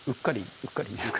うっかりですか？